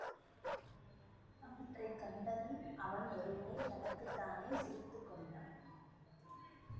அவற்றைக் கண்டதும், அவன் ஒரு முறை தனக்குத் தானே சிரித்துக் கொண்டான்.